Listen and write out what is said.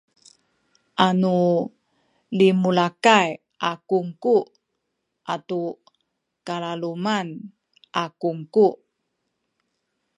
anu limulakay a kungku atu kalaluman a kungku